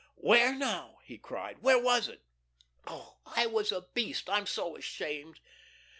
"Where now," he cried, "where was it? Ah, I was a beast; I'm so ashamed."